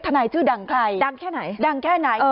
นายชื่อดังใครดังแค่ไหนดังแค่ไหน